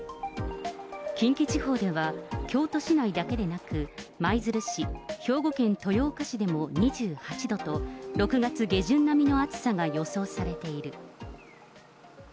近畿地方では京都市内だけでなく、舞鶴市、兵庫県豊岡市でも２８度と、６月下旬並みの暑さが予想されている。